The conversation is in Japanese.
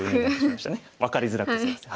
分かりづらくてすいません。